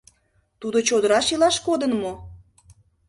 Тудо чодыраш илаш кодын мо?